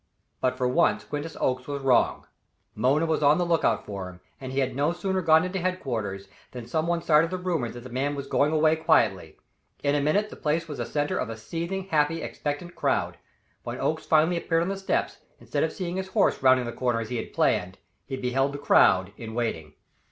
But for once Quintus Oakes was wrong. Mona was on the lookout for him, and he had no sooner gone into headquarters than some one started the rumor that the man was going away quietly. In a minute the place was the centre of a seething, happy, expectant crowd. When Oakes finally appeared at the steps, instead of seeing his horse rounding the corner as he had planned, he beheld the crowd in waiting.